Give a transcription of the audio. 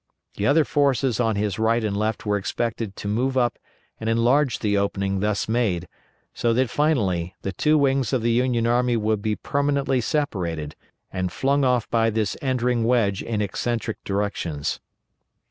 * The other forces on his right and left were expected to move up and enlarge the opening thus made, so that finally, the two wings of the Union Army would be permanently separated, and flung off by this entering wedge in eccentric directions.